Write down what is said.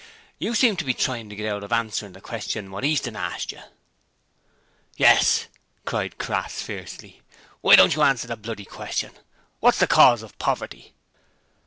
'You seem to be tryin' to get out of answering the question what Easton asked you.' 'Yes!' cried Crass, fiercely. 'Why don't you answer the bloody question? Wot's the cause of poverty?'